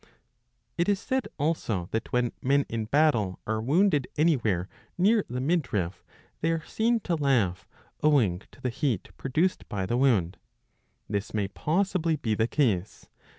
It is said also that when men in battle are wounded anywhere near the midriff, they are seen to laugh, owing to the heat produced by the wound.^ This may possibly be the case.